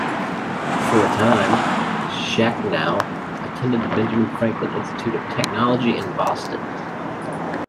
For a time, Shachnow attended the Benjamin Franklin Institute of Technology in Boston.